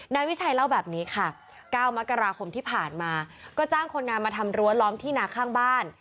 นายวิชัยเล่าแบบนี้ค่ะ๙มกราคมที่ผ่านมาก็จ้างคนงานมาทำรั้วล้อมที่นาข้างบ้าน